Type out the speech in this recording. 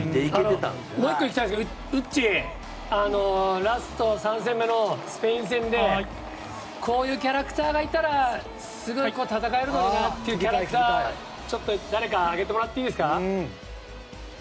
もう１個行きたいですがウッチー、最後のスペイン戦でこういうキャラクターがいたらすごく戦えるのになというキャラクターをちょっと誰か挙げてもらっていいですか。